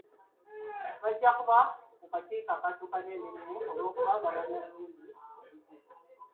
Bajja kuba ku kakiiko adduukanya emirimu olw'okuba bamanyi bulungi obuzibu.